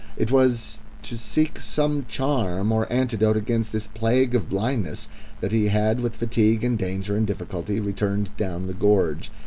It was to seek some charm or antidote against this plague of blindness that he had with fatigue and danger and difficulty returned down the gorge.